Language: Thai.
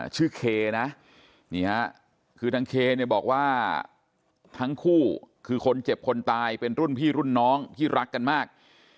เคนะนี่ฮะคือทางเคเนี่ยบอกว่าทั้งคู่คือคนเจ็บคนตายเป็นรุ่นพี่รุ่นน้องที่รักกันมาก